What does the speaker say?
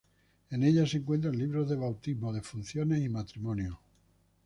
En ellas se encuentran libros de bautismos, defunciones y matrimonios.